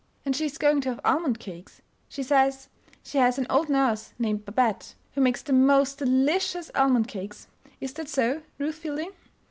"And she is going to have almond cakes. She says she has an old nurse named Babette who makes the most de lic i ous almond cakes Is that so, Ruth Fielding?"